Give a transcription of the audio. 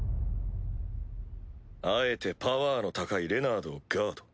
あえてパワーの高いレナードをガード。